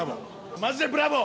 マジでブラボー。